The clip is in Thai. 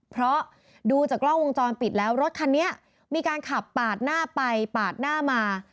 เพราะดูจากกล้องวงจรปิดแล้วรถคันนี้มีการขับปาดหน้าไปปาดหน้ามา